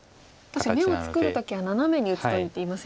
確かに眼を作る時はナナメに打つといいって言いますよね。